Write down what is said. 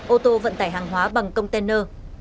ô tô vận tải hàng hóa bằng container